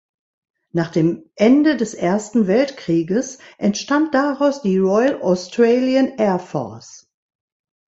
Nach dem Ende des Ersten Weltkrieges entstand daraus die Royal Australian Air Force.